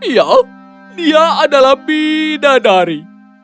ya dia adalah bidadari